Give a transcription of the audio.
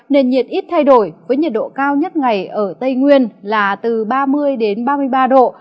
nền nhiệt ít thay đổi với nhiệt độ cao nhất ngày ở tây nguyên là từ ba mươi đến ba mươi ba độ